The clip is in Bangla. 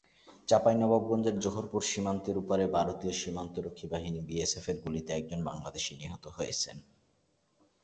চাঁপাইনবাবগঞ্জের জোহরপুর সীমান্তের ওপারে ভারতীয় সীমান্তরক্ষী বাহিনী বিএসএফের গুলিতে একজন বাংলাদেশি নিহত হয়েছেন।